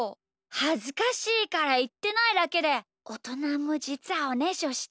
はずかしいからいってないだけでおとなもじつはおねしょしてるんだよ。